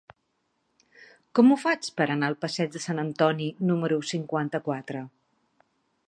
Com ho faig per anar al passeig de Sant Antoni número cinquanta-quatre?